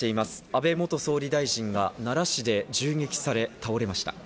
安倍元総理大臣が奈良市で銃撃され倒れました。